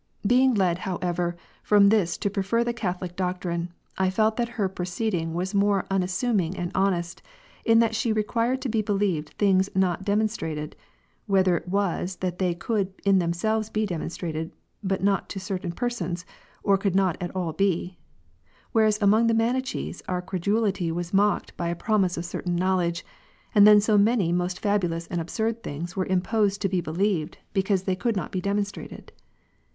Being led, however, from tliis to prefer the Catholic doctrine,! felt that her proceeding was more unassuming and honest, in that she required to be believed things not demon strated'^, (whether it was that they could in themselves be demonstrated but not to certain persons, or could not at all be,) whereas among the Manichees our credulity was mocked by a promise of certain knowledge, and then so many most fabulous and absurd things were imposed to be believed, because they could not be demonstrated.